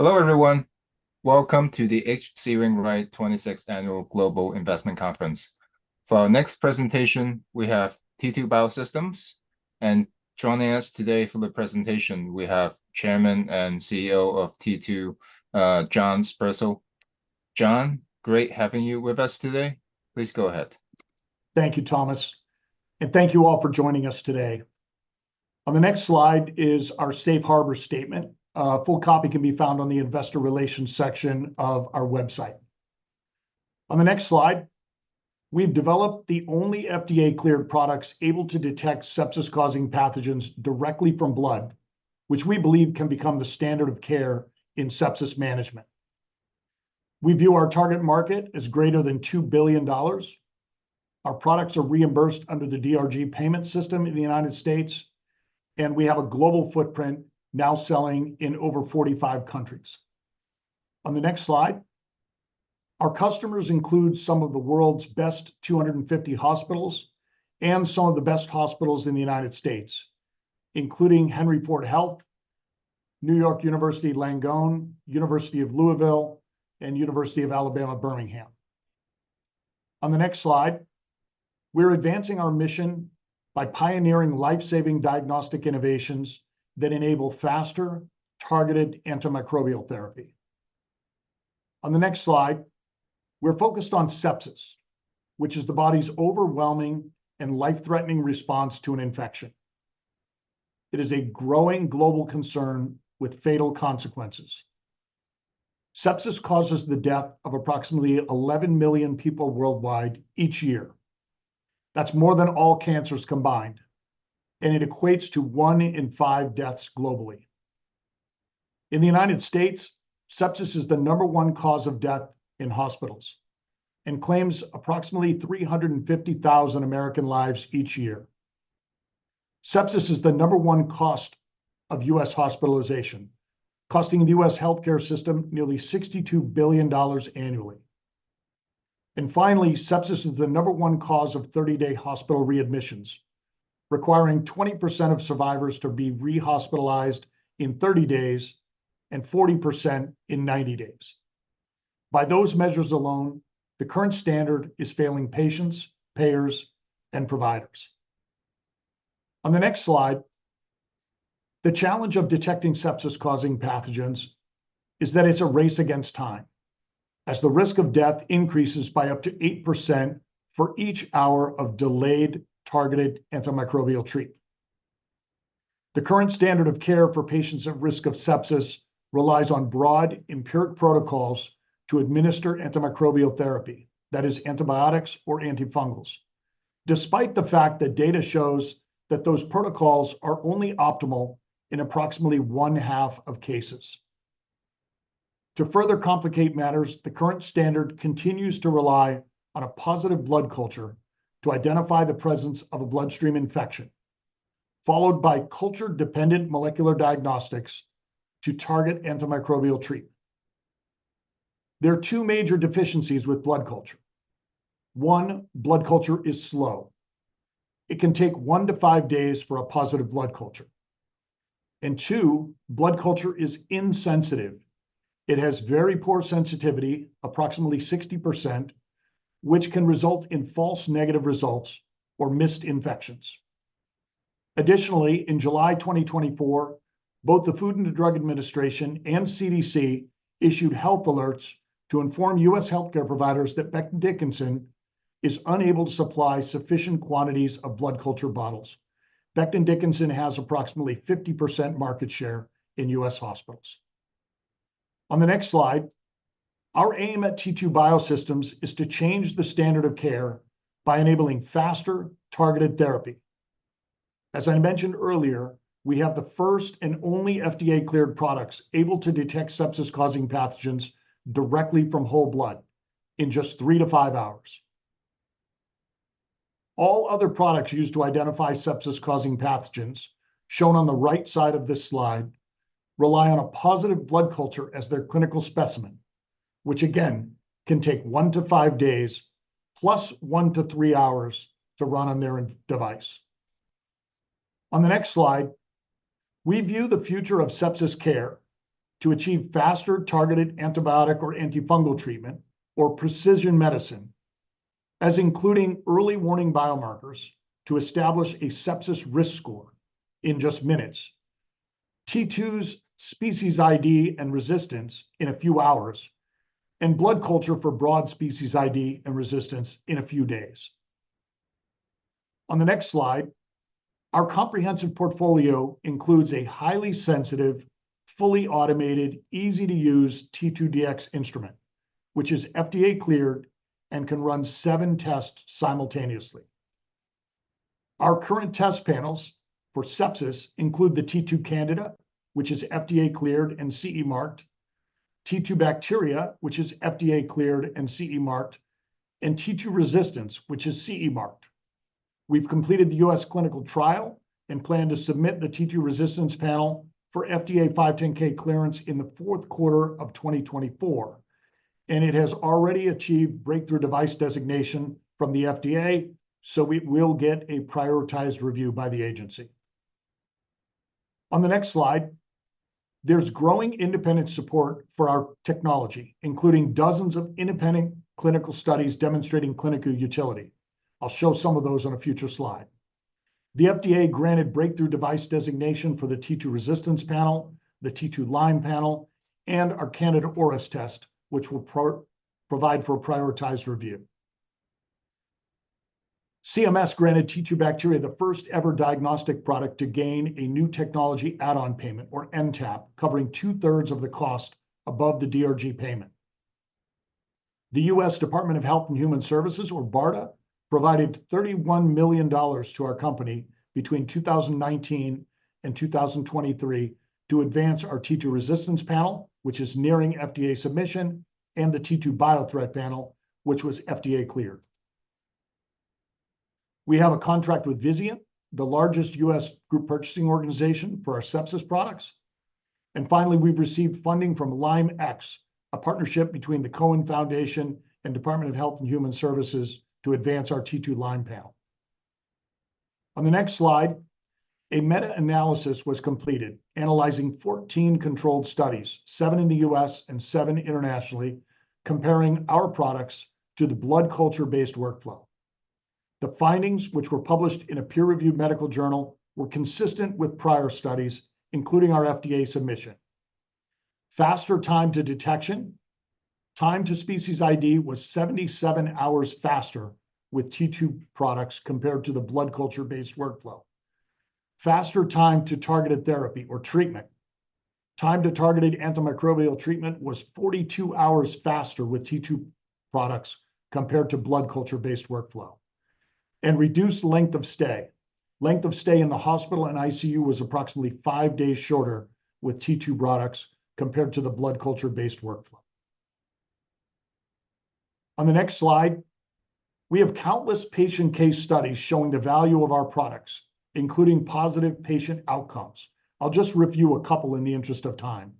Hello, everyone. Welcome to the H.C. Wainwright 26th Annual Global Investment Conference. For our next presentation, we have T2 Biosystems, and joining us today for the presentation, we have Chairman and CEO of T2, John Sperzel. John, great having you with us today. Please go ahead. Thank you, Thomas, and thank you all for joining us today. On the next slide is our safe harbor statement. A full copy can be found on the investor relations section of our website. On the next slide, we've developed the only FDA-cleared products able to detect sepsis-causing pathogens directly from blood, which we believe can become the standard of care in sepsis management. We view our target market as greater than $2 billion. Our products are reimbursed under the DRG payment system in the United States, and we have a global footprint now selling in over 45 countries. On the next slide, our customers include some of the world's best 250 hospitals and some of the best hospitals in the United States, including Henry Ford Health, New York University Langone, University of Louisville, and University of Alabama at Birmingham. On the next slide, we're advancing our mission by pioneering life-saving diagnostic innovations that enable faster, targeted antimicrobial therapy. On the next slide, we're focused on sepsis, which is the body's overwhelming and life-threatening response to an infection. It is a growing global concern with fatal consequences. Sepsis causes the death of approximately 11 million people worldwide each year. That's more than all cancers combined, and it equates to 1 in 5 deaths globally. In the United States, sepsis is the number one cause of death in hospitals and claims approximately 350,000 American lives each year. Sepsis is the number one cost of U.S. hospitalization, costing the U.S. healthcare system nearly $62 billion annually. And finally, sepsis is the number one cause of 30-day hospital readmissions, requiring 20% of survivors to be rehospitalized in 30 days and 40% in 90 days. By those measures alone, the current standard is failing patients, payers, and providers. On the next slide, the challenge of detecting sepsis-causing pathogens is that it's a race against time, as the risk of death increases by up to 8% for each hour of delayed targeted antimicrobial treatment. The current standard of care for patients at risk of sepsis relies on broad empiric protocols to administer antimicrobial therapy, that is, antibiotics or antifungals, despite the fact that data shows that those protocols are only optimal in approximately 1/2 of cases. To further complicate matters, the current standard continues to rely on a positive blood culture to identify the presence of a bloodstream infection, followed by culture-dependent molecular diagnostics to target antimicrobial treatment. There are two major deficiencies with blood culture. One, blood culture is slow. It can take one to five days for a positive blood culture. And two, blood culture is insensitive. It has very poor sensitivity, approximately 60%, which can result in false negative results or missed infections. Additionally, in July 2024, both the Food and Drug Administration and CDC issued health alerts to inform U.S. healthcare providers that Becton Dickinson is unable to supply sufficient quantities of blood culture bottles. Becton Dickinson has approximately 50% market share in U.S. hospitals. On the next slide, our aim at T2 Biosystems is to change the standard of care by enabling faster targeted therapy. As I mentioned earlier, we have the first and only FDA-cleared products able to detect sepsis-causing pathogens directly from whole blood in just three to five hours. All other products used to identify sepsis-causing pathogens, shown on the right side of this slide, rely on a positive blood culture as their clinical specimen, which again, can take one to five days, plus one to three hours to run on their device. On the next slide, we view the future of sepsis care to achieve faster targeted antibiotic or antifungal treatment or precision medicine as including early warning biomarkers to establish a sepsis risk score in just minutes, T2's species ID and resistance in a few hours, and blood culture for broad species ID and resistance in a few days. On the next slide, our comprehensive portfolio includes a highly sensitive, fully automated, easy-to-use T2Dx instrument, which is FDA-cleared and can run seven tests simultaneously. Our current test panels for sepsis include the T2Candida, which is FDA-cleared and CE marked, T2Bacteria, which is FDA-cleared and CE marked, and T2Resistance, which is CE marked. We've completed the U.S. clinical trial and plan to submit the T2Resistance panel for FDA 510(k) clearance in the fourth quarter of 2024, and it has already achieved Breakthrough Device Designation from the FDA, so we will get a prioritized review by the agency. On the next slide, there's growing independent support for our technology, including dozens of independent clinical studies demonstrating clinical utility. I'll show some of those on a future slide. The FDA granted Breakthrough Device Designation for the T2Resistance Panel, the T2Lyme Panel, and our Candida auris test, which will provide for a prioritized review. CMS granted T2Bacteria Panel the first ever diagnostic product to gain a New Technology Add-on Payment, or NTAP, covering 2/3 of the cost above the DRG payment. The U.S. Department of Health and Human Services, or BARDA, provided $31 million to our company between 2019 and 2023 to advance our T2Resistance Panel, which is nearing FDA submission, and the T2Biothreat Panel, which was FDA cleared. We have a contract with Vizient, the largest U.S. group purchasing organization, for our sepsis products. And finally, we've received funding from LymeX, a partnership between the Cohen Foundation and Department of Health and Human Services, to advance our T2Lyme Panel. On the next slide, a meta-analysis was completed, analyzing 14 controlled studies, seven in the U.S. and seven internationally, comparing our products to the blood culture-based workflow. The findings, which were published in a peer-reviewed medical journal, were consistent with prior studies, including our FDA submission. Faster time to detection. Time to species ID was 77 hours faster with T2 products compared to the blood culture-based workflow. Faster time to targeted therapy or treatment. Time to targeted antimicrobial treatment was 42 hours faster with T2 products compared to blood culture-based workflow. Reduced length of stay. Length of stay in the hospital and ICU was approximately five days shorter with T2 products compared to the blood culture-based workflow. On the next slide, we have countless patient case studies showing the value of our products, including positive patient outcomes. I'll just review a couple in the interest of time.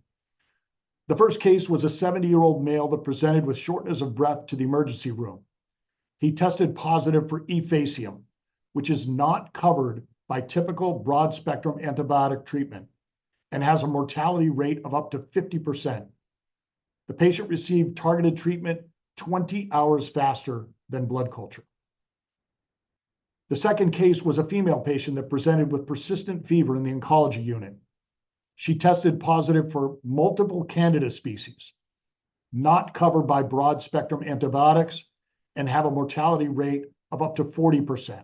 The first case was a 70-year-old male that presented with shortness of breath to the emergency room. He tested positive for E. faecium, which is not covered by typical broad-spectrum antibiotic treatment and has a mortality rate of up to 50%. The patient received targeted treatment 20 hours faster than blood culture. The second case was a female patient that presented with persistent fever in the oncology unit. She tested positive for multiple Candida species, not covered by broad-spectrum antibiotics, and had a mortality rate of up to 40%.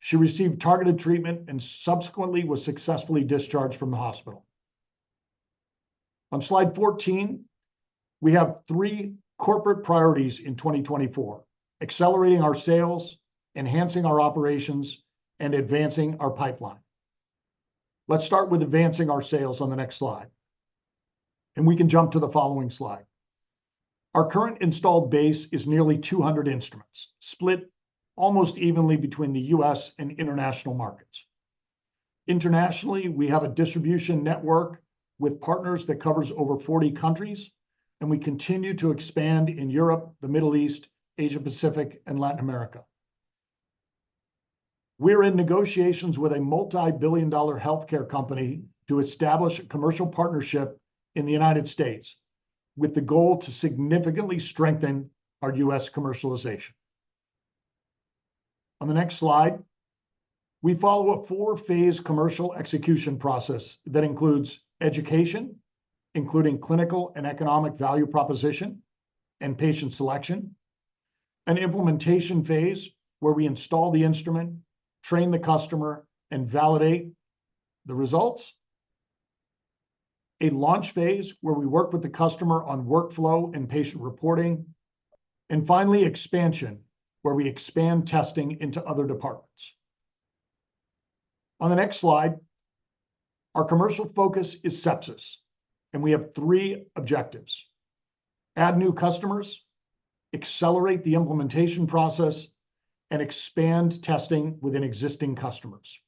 She received targeted treatment and subsequently was successfully discharged from the hospital. On slide 14, we have three corporate priorities in 2024: accelerating our sales, enhancing our operations, and advancing our pipeline. Let's start with advancing our sales on the next slide, and we can jump to the following slide. Our current installed base is nearly 200 instruments, split almost evenly between the U.S. and international markets. Internationally, we have a distribution network with partners that covers over forty countries, and we continue to expand in Europe, the Middle East, Asia Pacific, and Latin America. We're in negotiations with a multi-billion dollar healthcare company to establish a commercial partnership in the United States, with the goal to significantly strengthen our U.S. commercialization. On the next slide, we follow a four-phase commercial execution process that includes education, including clinical and economic value proposition and patient selection; an implementation phase, where we install the instrument, train the customer, and validate the results; a launch phase, where we work with the customer on workflow and patient reporting; and finally, expansion, where we expand testing into other departments. On the next slide, our commercial focus is sepsis, and we have three objectives: add new customers, accelerate the implementation process, and expand testing within existing customers.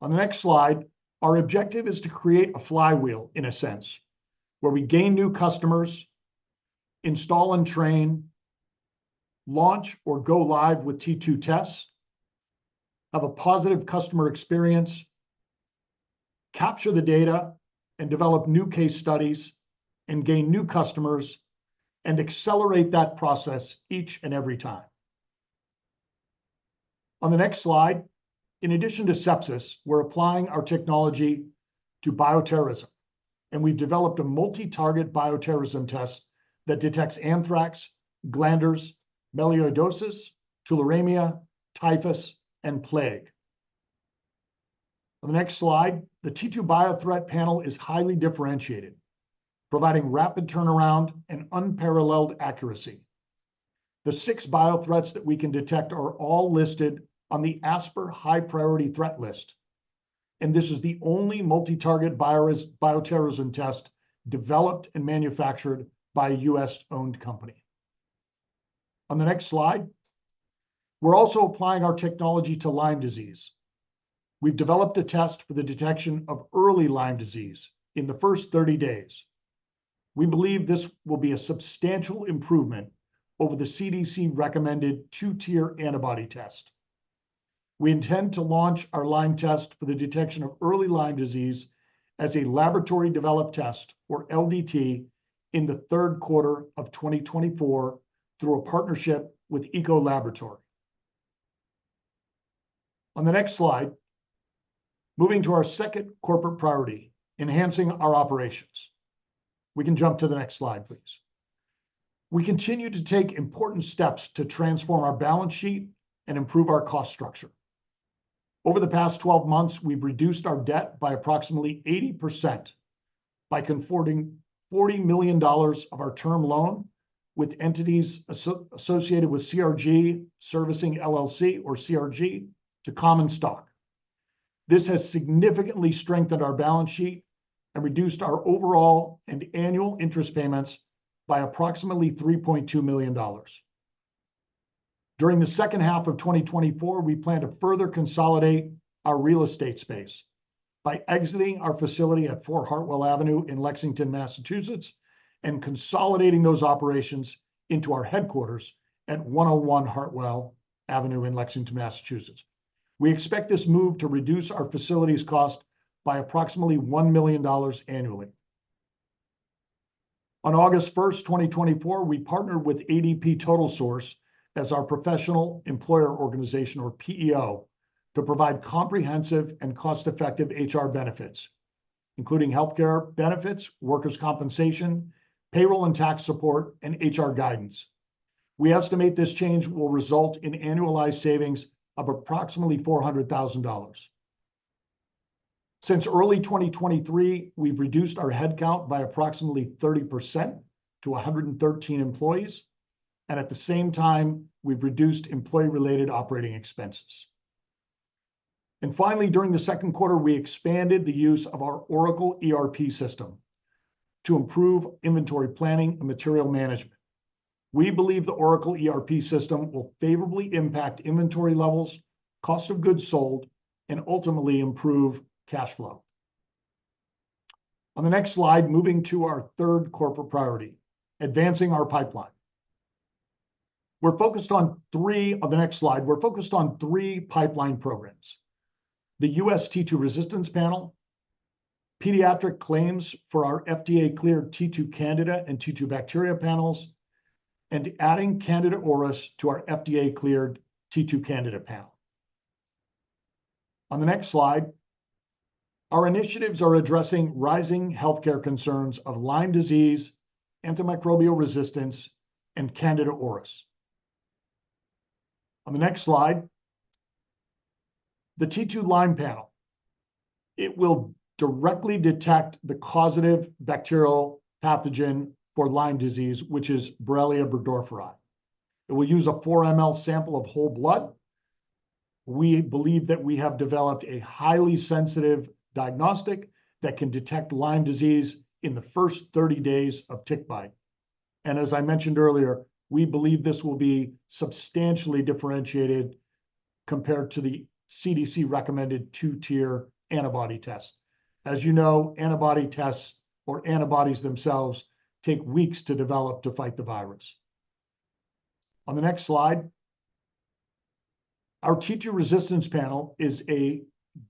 On the next slide, our objective is to create a flywheel, in a sense, where we gain new customers, install and train, launch or go live with T2 tests, have a positive customer experience, capture the data, and develop new case studies, and gain new customers, and accelerate that process each and every time. On the next slide, in addition to sepsis, we're applying our technology to bioterrorism, and we've developed a multi-target bioterrorism test that detects anthrax, glanders, melioidosis, tularemia, typhus, and plague. On the next slide, the T2Biothreat Panel is highly differentiated, providing rapid turnaround and unparalleled accuracy. The six biothreats that we can detect are all listed on the ASPR High Priority Threat List, and this is the only multi-target virus-bioterrorism test developed and manufactured by a U.S.-owned company. On the next slide, we're also applying our technology to Lyme disease. We've developed a test for the detection of early Lyme disease in the first 30 days. We believe this will be a substantial improvement over the CDC-recommended two-tier antibody test. We intend to launch our Lyme test for the detection of early Lyme disease as a laboratory-developed test, or LDT, in the third quarter of 2024, through a partnership with ECO Laboratory. On the next slide, moving to our second corporate priority, enhancing our operations. We can jump to the next slide, please. We continue to take important steps to transform our balance sheet and improve our cost structure. Over the past twelve months, we've reduced our debt by approximately 80%, by converting $40 million of our term loan with entities associated with CRG Servicing, LLC, or CRG, to common stock. This has significantly strengthened our balance sheet and reduced our overall and annual interest payments by approximately $3.2 million. During the second half of 2024, we plan to further consolidate our real estate space by exiting our facility at 4 Hartwell Avenue in Lexington, Massachusetts, and consolidating those operations into our headquarters at 101 Hartwell Avenue in Lexington, Massachusetts. We expect this move to reduce our facilities cost by approximately $1 million annually. On August 1st, 2024, we partnered with ADP TotalSource as our professional employer organization, or PEO, to provide comprehensive and cost-effective HR benefits, including healthcare benefits, workers' compensation, payroll and tax support, and HR guidance. We estimate this change will result in annualized savings of approximately $400,000. Since early 2023, we've reduced our headcount by approximately 30% to 113 employees, and at the same time, we've reduced employee-related operating expenses, and finally, during the second quarter, we expanded the use of our Oracle ERP system to improve inventory planning and material management. We believe the Oracle ERP system will favorably impact inventory levels, cost of goods sold, and ultimately improve cash flow. On the next slide, moving to our third corporate priority, advancing our pipeline. We're focused on three—On the next slide, we're focused on three pipeline programs: the U.S. T2Resistance Panel, pediatric claims for our FDA-cleared T2Candida and T2Bacteria Panels, and adding Candida auris to our FDA-cleared T2Candida Panel. On the next slide, our initiatives are addressing rising healthcare concerns of Lyme disease, antimicrobial resistance, and Candida auris. On the next slide, the T2Lyme Panel, it will directly detect the causative bacterial pathogen for Lyme disease, which is Borrelia burgdorferi. It will use 4 mL sample of whole blood. We believe that we have developed a highly sensitive diagnostic that can detect Lyme disease in the first 30 days of tick bite. And as I mentioned earlier, we believe this will be substantially differentiated compared to the CDC-recommended two-tiered antibody test. As you know, antibody tests, or antibodies themselves, take weeks to develop to fight the virus. On the next slide, our T2Resistance Panel is a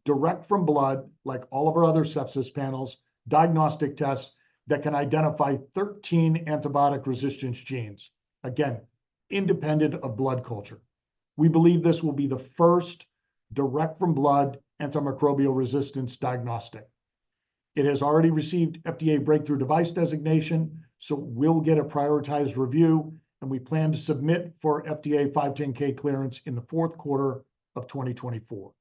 direct-from-blood, like all of our other sepsis panels, diagnostic tests that can identify 13 antibiotic resistance genes, again, independent of blood culture. We believe this will be the first direct-from-blood antimicrobial resistance diagnostic. It has already received FDA Breakthrough Device Designation, so will get a prioritized review, and we plan to submit for FDA 510(k) clearance in the fourth quarter of 2024.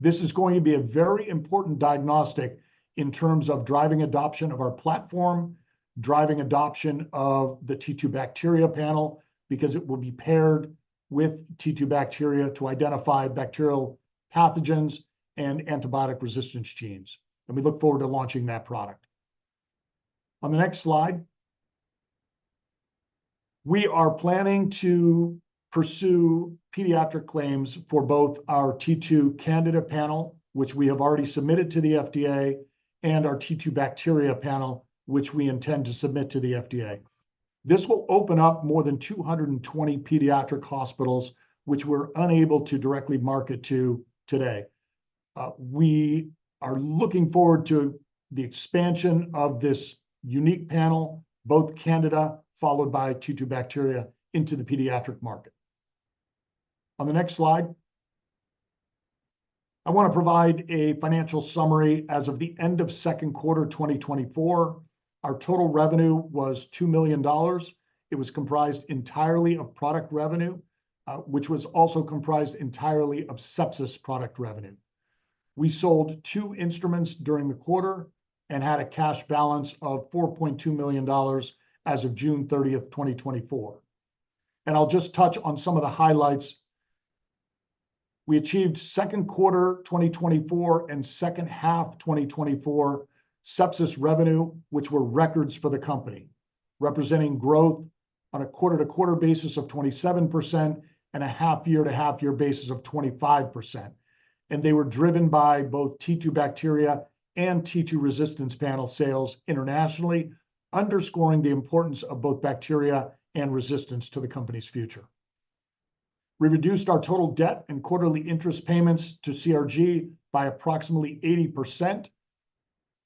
This is going to be a very important diagnostic in terms of driving adoption of our platform, driving adoption of the T2Bacteria Panel, because it will be paired with T2Bacteria to identify bacterial pathogens and antibiotic resistance genes, and we look forward to launching that product. On the next slide, we are planning to pursue pediatric claims for both our T2Candida Panel, which we have already submitted to the FDA, and our T2Bacteria Panel, which we intend to submit to the FDA. This will open up more than 220 pediatric hospitals, which we're unable to directly market to today. We are looking forward to the expansion of this unique panel, both Candida, followed by T2Bacteria, into the pediatric market. On the next slide, I wanna provide a financial summary. As of the end of second quarter 2024, our total revenue was $2 million. It was comprised entirely of product revenue, which was also comprised entirely of sepsis product revenue. We sold two instruments during the quarter and had a cash balance of $4.2 million as of June 30th, 2024. I'll just touch on some of the highlights. We achieved second quarter 2024 and second half 2024 sepsis revenue, which were records for the company, representing growth on a quarter-to-quarter basis of 27%, and a half-year to half-year basis of 25%. They were driven by both T2Bacteria and T2Resistance Panel sales internationally, underscoring the importance of both bacteria and resistance to the company's future. We reduced our total debt and quarterly interest payments to CRG by approximately 80%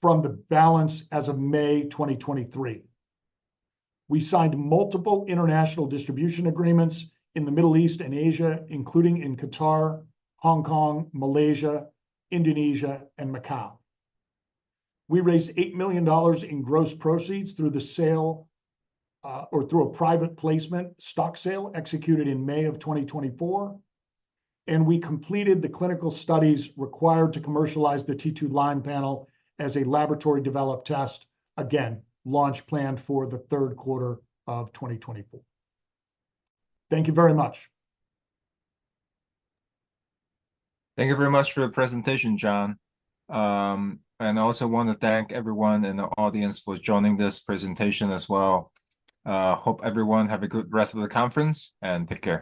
from the balance as of May 2023. We signed multiple international distribution agreements in the Middle East and Asia, including in Qatar, Hong Kong, Malaysia, Indonesia, and Macau. We raised $8 million in gross proceeds through the sale, or through a private placement stock sale executed in May 2024, and we completed the clinical studies required to commercialize the T2Lyme Panel as a laboratory-developed test. Again, launch planned for the third quarter of 2024. Thank you very much. Thank you very much for the presentation, John. And I also wanna thank everyone in the audience for joining this presentation as well. Hope everyone have a good rest of the conference, and take care.